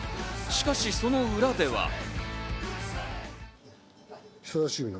しかしその裏では。